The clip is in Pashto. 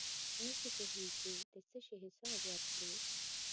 نشی پوهېږي د څه شي حساب ورکړي.